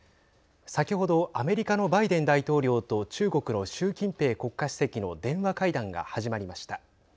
先ほどアメリカのバイデン大統領と中国の習近平国家首席の電話会談が始まりました。